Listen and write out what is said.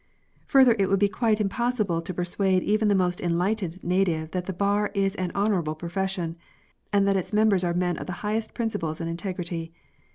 Further, it would be quite impossible to persuade even the most enlightened native that the Bar is an honourable profession, and that its members are men of the highest principles and integrity.